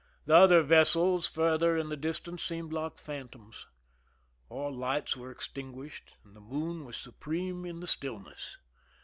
The other vessels farther in the distance seemed like phantoms. All lights were extinguished, and the moon was supreme in the stillness.